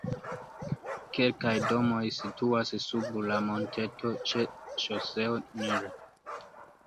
Kelkaj domoj situas sub la monteto ĉe ŝoseo nr.